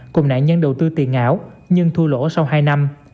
cùng nạn nhân đầu tư tiền ảo nhưng thua lỗ sau hai năm